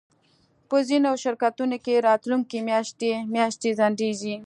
په ځینو شرکتونو کې راتلونکی میاشتې میاشتې ځنډیږي